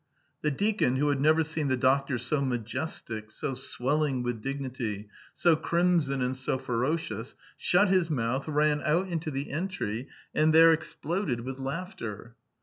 The deacon, who had never seen the doctor so majestic, so swelling with dignity, so crimson and so ferocious, shut his mouth, ran out into the entry and there exploded with laughter.